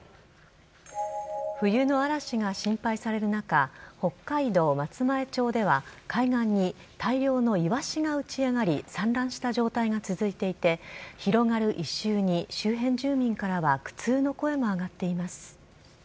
冬の嵐が心配される中北海道松前町では海岸に大量のイワシが打ち上がり散乱した状態が続いていて広がる異臭に周辺住民からは苦痛の声も上がっています。